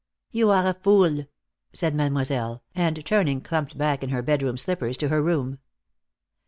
"You are a fool," said Mademoiselle, and turning clumped back in her bedroom slippers to her room.